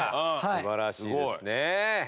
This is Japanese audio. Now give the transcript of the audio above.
素晴らしいですね。